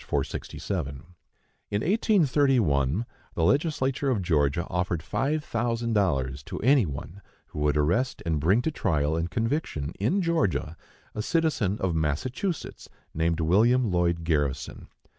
467). In 1831 the Legislature of Georgia offered five thousand dollars to any one who would arrest and bring to trial and conviction, in Georgia, a citizen of Massachusetts, named William Lloyd Garrison.